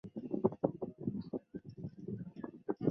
著名的五家寨人字桥即位于南溪河支流四岔河上。